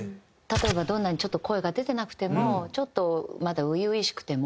例えばどんなにちょっと声が出てなくてもちょっとまだ初々しくても。